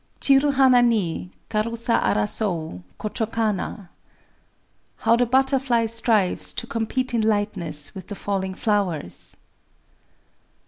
_] Chiru hana ni— Karusa arasoü Kochō kana! [_How the butterfly strives to compete in lightness with the falling flowers!